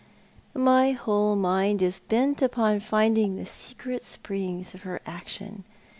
My whole mind is bent upon finding the secret springs of her action.